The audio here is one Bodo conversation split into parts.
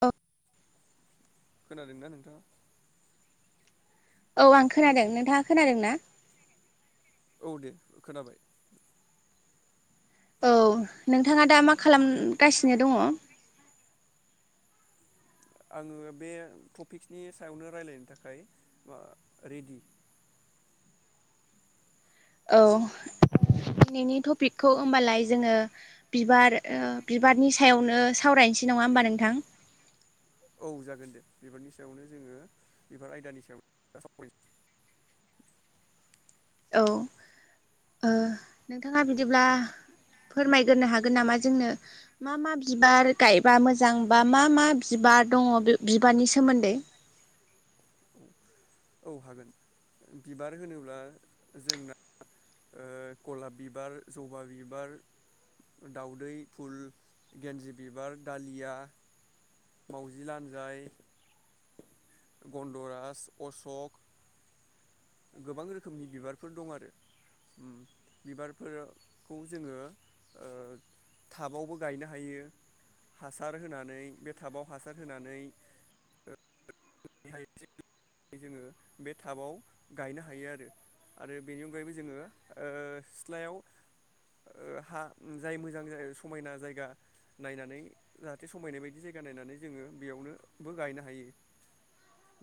औ खोनादोंना नोंथाङा औ आं हेलौ खोनादों नोंथाङा खोनादों ना औ दे खोनाबाय औ नोंथाङा दा मा खालामगासिनो दङ आङो बे टपिक्सनि सायावनो रायलायनो थाखाय मा रेडि औ दिनैनि टपिकखौ होमबालाय जोङो बिबार बिबारनि सायावनो सावरायनोसै नङा होमबा नोंथां औ जागोन दे बिबारनि सायावनो जोङो बिबार आयदानि सायावनो औ नोंथाङा बिदिब्ला फोरमायग्रोनो हागोन नामा जोंनो मा मा बिबार गायबा मोजां बा मा मा बिबार दङ बिबारनि सोमोन्दै औ औ हागोन बिबार होनोब्ला जोंना गलाप बिबार जबा बिबार दाउदै फुल गेन्जि बिबार दालिया मावजि लान्जाय गन्दराज अशक गोबां रोखोमनि बिबारफोर दं आरो बिबारफोरखौ जोङो टाबावबो गायनो हायो हासार होनानै बे टाबाव हासार होनानै जोङो बे टाबाव गायनो हायो आरो आरो बेनि अनगायैबो जोङो सिथ्लायाव हा जाय मोजां समायना जायगा नायनानै जाहाथे समायनाय बायदि जायगा नायनानै जोङो बेयावनोबो गायनो हायो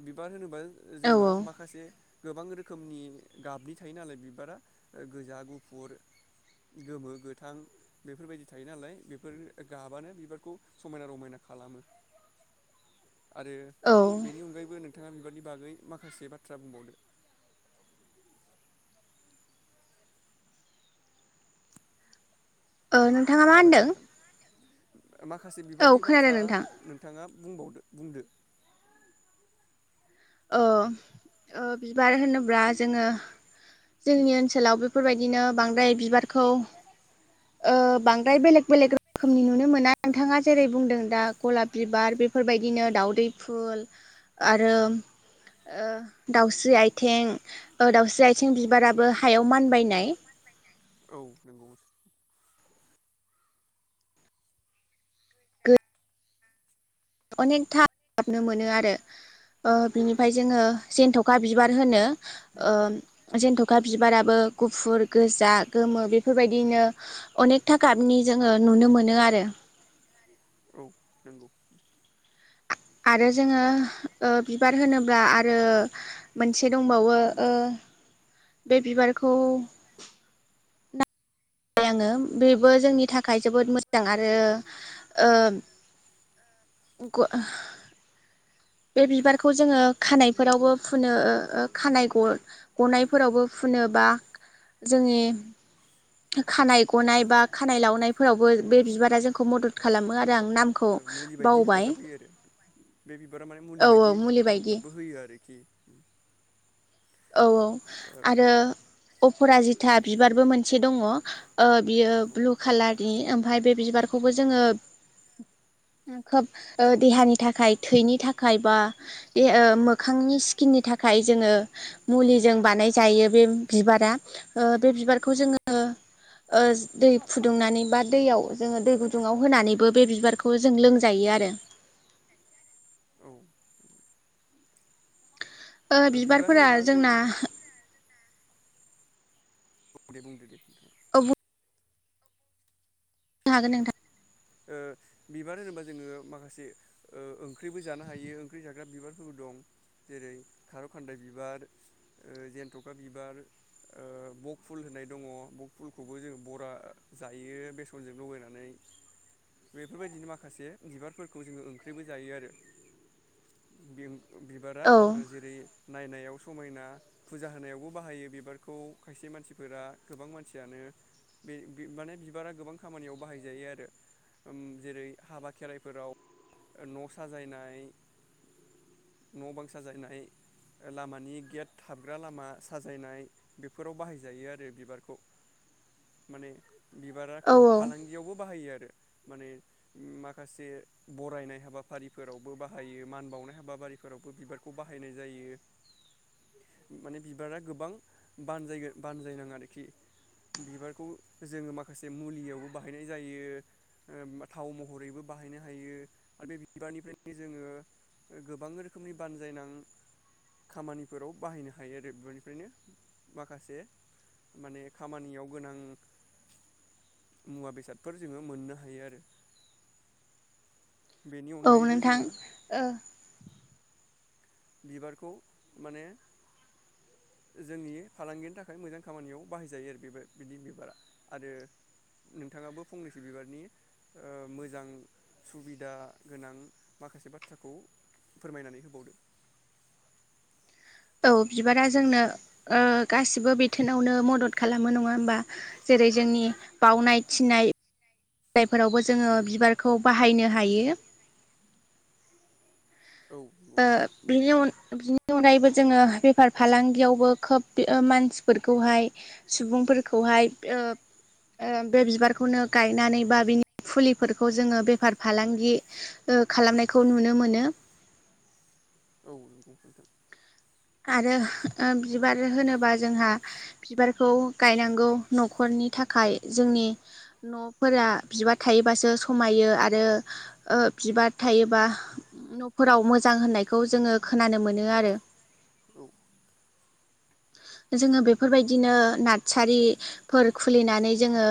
बिबार होनोबा औ जोङो औ माखासे गोबां रोखोमनि गाबनि थायो नालाय बिबारा गोजा गुफुर गोमो गोथां बेफोरबायदि थायो नालाय बेफोर गाबानो बिबारखौ समायना रमायना खालामो आरो औ बेनि अगायैबो नों बिथांङा बिबारनि बागै माखासे बाथ्रा बुंबावदो नोंथाङा मा खोनाबायना होनदों नोंथां माखासे औ बिबारनि खोनादों बाथ्रा नोंथां नोंथाङा बुंबावदो बुंदो बिबार होनोब्ला जोङो जोंनि ओनसोलाव बेफोरबायदिनो बांद्राय बिबारखौ बांद्राय बेलेग बेलेग रोखोमनि नुनो मोना नोंथाङा जेरै बुंदों दा गलाब बिबार बेफोरबायदिनो दाउदै फुल आरो दाउस्रि आथिं दाउस्रि आथिं बिबाराबो हायाव मानबायनाय औ नंगौ अनेक था मोनो आरो बिनिफ्राय जोङो जेनथ'खा बिबार होनो जेेनथ'खा बिबाराबो गुफुर गोजा गोमो बेफोरबायदिनो अनेकथा गाबनि जोङो नुनो मोनो आरो [inaudible] आरो जोङो बिबार होनोब्ला आरो मोनसे दंबावो बे बिबारखौ बाय आङो बेबो जोंनि थाखाय जोबोद मोजां आरो बे बिबारखौ जोङो खानायफोरावबो फुनो खानाय गनायफोरावबो फुनो बा जोंनि खानाय गनाय बा खानाय लावनायफोरावबो बे बिबारा जोंखौ मदद खालामो आरो आं नामखौ मुलि बायदि बावबाय हेफाजाब होयो आरो बे बिबारा माने औ मुलि औ बायदि मुलि बायदि हेफाजाबबो होयो आरो [unintelligible] औ औ आरो अपराजिथा बिबारबो मोनसे दङ। ओ बियो ब्लु कालारनि आम फाय बे बिबारखौबो जोङो खोब ओ देहानि थाखाय थैनि थाखाय बा मोखांनि स्किननि थाखाय जोङो मुलिजों बानायजायो बे बिबारा ओ बे बिबारखौ जोङो ओ दै फुदुंनानै बा दैयाव जोङो दै गुदुङाव होनानैबो बे बिबारखौ जों लोंजायो आरो। औ ओ बिबार बिबारफोरा होनोबा जों जोंना बुं दे बुंदो दे नोंथां औ बुंनो [unintelligible] ओ बिबार होनोबा जोङो माखासे ओ ओंख्रिबो जानो हायो ओंख्रि जाग्रा बिबारफोरबो दं जेरै- खारौ खान्दाय बिबार ओ जन्थखा बिबार ओ बक फुल होननाय दङ बक फुलखौबो जों बरा जायो बेसनजों लगायनानै बेफोरबायदिनो माखासे बिबारफोरखौ जोङो ओंख्रिबो जायो आरो बिबारा औ ओ जेरै- नायनायाव समायना फुजा होनायावबो बाहायो बिबारखौ खायसे मानसिफोरा गोबां मानसियानो बे बे माने बिबारा गोबां खामानियाव बाहायजायो आरो उम जेरै- हाबा खेराइफोराव न' साजायनाय न' बां साजायनाय लामानि गेट हाबग्रा लामा साजायनाय बेफोराव बाहायजायो आरो बिबारखौ माने औ बिबाराखौ औ फालांगियावबो बाहायो आरो। माने माखासे बरायनाय हाबाफारिफोरावबो बाहायो मान बावनाय हाबाफारिफोरावबो बिबारखौ बाहायनाय जायो माने बिबारा गोबां बानजायगोन बानजायनां आरोखि बिबारखौ जोङो माखासे मुलियावबो बाहायनाय जायो। ओ थाव महरैबो बाहायनो हायो आरो बे बिबारनिफ्रायनो जोङो गोबां रोखोमनि बानजायनां खामानिफोराव बाहायनो हायो आरो बिबारनिफ्रायनो माखासे माने खामानियाव गोनां मुवा बेसादफोर जोङो मोननो हायो आरो। बेनि औ अनगायैबो नोंथां जोङो ओ बिबारखौ माने जोंनि फालांगिनि थाखाय मोजां खामानियाव बाहायजायो आरो बेबा बिदि बिबारा आरो नोंथाङाबो फंनैसो बिबारनि ओ मोजां सुबिदा गोनां माखासे बाथ्राखौ फोरमायनानै होबावदो। औ बिबारा जोंनो ओ गासिबो बिथोनावनो मदद खालामो नङा होमबा जेरै- जोंनि बावनाय थिनायफोरावबो जोङो बिबारखौ बाहायनो हायो। औ नंगौ ओ नोंथां बिनि अन बि [unintelligible] अनगायैबो जोङो बेफार फालांगियावबो खोब मानसिफोरखौहाय सुबुंफोरखौहाय ओ ओ बे बिबारखौनो गायनानै बा बिनि फुलिफोरखौ जोङो बेफार फालांगि ओ खालामनायखौ नुनो मोनो। औ नंगौ नोंथां आरो ओ बिबार होनोबा जोंहा बिबारखौ गायनांगौ न'खरनि थाखाय जोंनि न'फोरा बिबार थायोबासो समायो आरो ओ बिबार थायोबा न'फोराव मोजां होननायखौ जोङो खोनानो मोनो आरो औ जोङो बेफोरबायदिनो नातसारिफोर खुलिनानै जोङो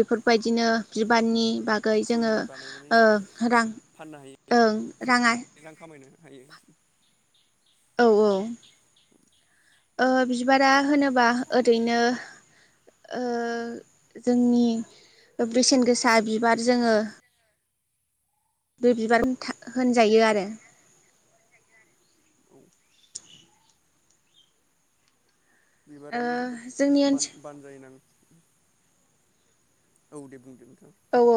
बेफोरबायदिनो बि बारनि बागै जोङो फुलि बानायनानै ओ रां फाननो हायो ओं रां आ रां खामायनो हायो औ औ ओ बिबारा होनोबा ओरैनो ओ जोंनि बेसेन गोसा बिबार जोङो बे बिबार होनजायो आरो औ ओ बिबारानो जोबोद जोंनि बान ओनसोल बानजायनां औ दे बुंदो औ औ ओ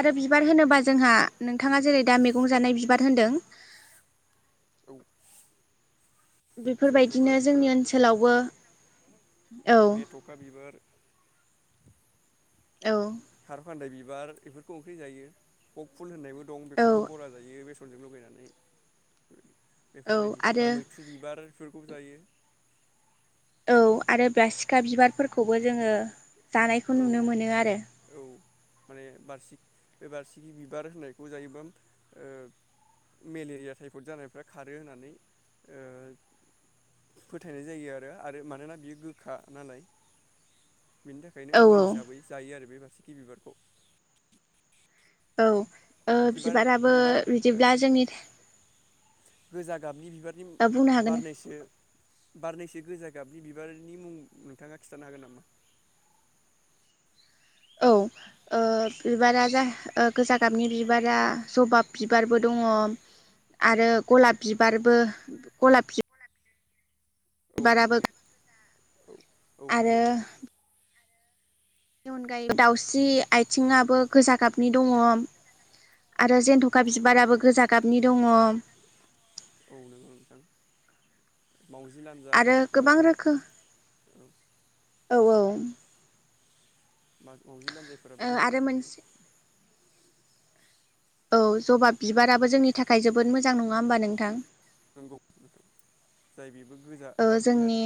आरो बिबार होनोबा जोंहा नोंथाङा जेरै दा मैगं जानाय बिबार होनदों औ जेनथ'खा बेफोरबायदिनो जोंनि बिबार ओनसोलावबो औ मेथ'खा बिबार [unintelligible] औ खार फान्दाय बिबार बेफोरखौ ओंख्रि जायो बक फुल होननायबो दं औ बेखौबो बरा जायो बे फोरजों लगायनानै बेबायदि बेफोरबायदि आरो मैथ्रु बिबारफोर जायो औ आरो [unintelligible] सिखा बिबारफोरखौबो जोङो जानायखौ औ नुनो मोनो आरो औ माने बारसि बे बारसिखि बिबार होननायखौ जायोबा ओ मेलेरिया टाइपद जानायफ्रा खारो होननानै ओ फोथायनाय जायो आरो आरो मानोना बियो गोखा नालाय बिनि थाखायनो औ मुलि औ हिसाबै जायो आरो बे सिखि बिबार औ ओ बिबार बिबाराबो बिबार ओ बिदिब्ला जोंनि गोजा गाबनि बिबारनि बुंनो हागोन बारनैसो बारनैसो गोजा गाबनि बिबारनि मुं नोंथाङा खिन्थानो हागोन नामा? औ ओ बिबारा जा गोजा गाबनि बिबारा जबाब बिबारबो दङ आरो गलाब बिबारबो गलाब बिब औ नंगौ औ औ नंगौ आरो नोंथां बेनि अनगायै दाउस्रि आथिङाबो गोजा गाबनि दङ आरो जेनथ' अखा औ बिबाराबो नंगौ गोजा नोंथां गाबनि दङ औ नंगौ नोंथां मावजि आरो गोबां लान्जायफोराबो रोखोम [inaudible] औ औ लान्जायफोराबो गोजा आरो गाबनि मोनसे औ जबा बिबाराबो जोंनि थाखाय जोबोद मोजां नङा होमबा नोंथां नंगौ जाय बेबो गोजा ओ गाबनि जोंनि आरो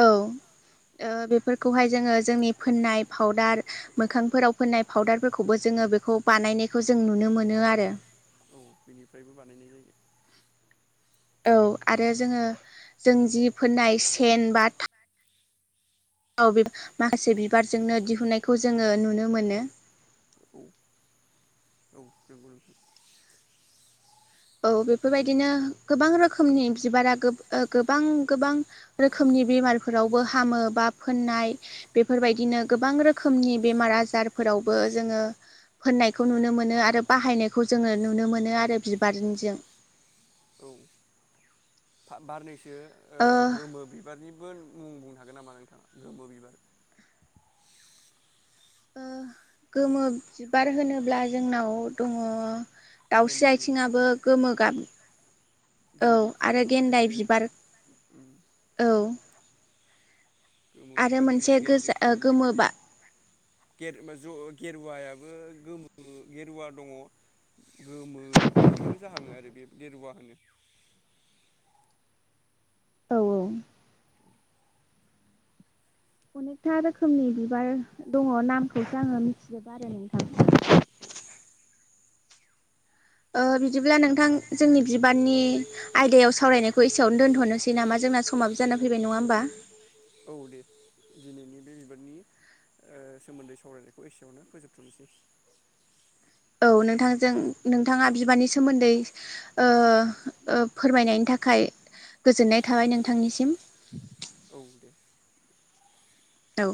औ ओ बेफोरखौहाय जोङो जोंनि फोननाय फावदार मोखांफोराव फोननाय फावउदारफोरखौबो जोङो बेखौ बानायनायखौ जों नुनो मोनो आरो औ बेनिफ्रायबो बानायनाय जायो औ आरो जोङो जों जि फोननाय सेन बा थाव माखासे बिबारजोंनो दिहुननायखौ जोङो नुनो मोनो औ नोंगौ नोंथां औ बेफोरबायदिनो गोबां रोखोमनि बिबारा गोबां गोबां रोखोमनि बेमारफोरावबो हामो बा फोननाय बेफोरबायदिनो गोबां रोखोमनि बेमार आजारफोरावबो जोङो फोननायखौ नुनो मोनो आरो बाहायनायखौ जोङो नुनो मोनो आरो [unintelligible] औ बार ओ ओ गोमो बिबारनिबो मुं बुंनो हागोन नामा नोंथाङा गोमो बिबार ओ गोमो बिबार होनोब्ला जोंनाव दङ दाउस्रि गेन्दि आथिंआबो गोमो गाब औ गेन्दि आरो फुलाबो गेन्दाय थायो बिबार उम औ गोमो आरो बिबार होनोबा मोनसे गेन्दि गोजा फुल ओ गेर ज गेरुवायाबो गोमो गेरुवा दङ औ अनेकथा रोखोमनि बिबार दङ नामखौसो आङो मिथिजोबा आरो नोंथां औ ओ बिदिब्ला नोंथां जोंनि बिबारनि आयदायाव सावरायनायखौ एसेयावनो दोनथ'नोसै नामा जोंना समाबो जाना फैबाय औ दे दिनैनि बे बिबारनि ओ सोमोन्दै सावरायनायखौ एसेयावनो फोजोबथ'नोसै औ नोंथांजों नोंथाङा बिबारनि सोमोन्दै ओ ओ फोरमायनायनि थाखाय गोजोननाय थाबाय नोंथांनिसिम औ दे औ